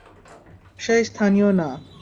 সে স্থানীয় না।